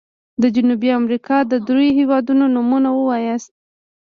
د جنوبي امريکا د دریو هيوادونو نومونه ووایاست.